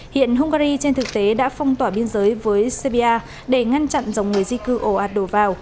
hiện hungary trên thực tế đã phong tỏa biên giới với serbia để ngăn chặn dòng người di cư ồ ạt đổ vào